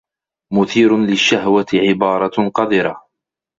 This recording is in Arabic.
مثير للشّهوة عبارة قذرة.